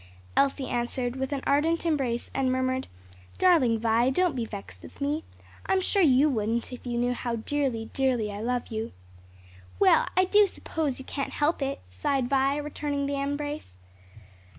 Elsie answered with an ardent embrace and a murmured "Darling Vi, don't be vexed with me. I'm sure you wouldn't if you knew how dearly, dearly I love you." "Well, I do suppose you can't help it!" sighed Violet, returning the embrace.